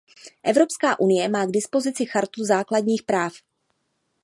Evropská unie má k dispozici Chartu základních práv.